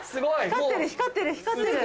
光ってる光ってる。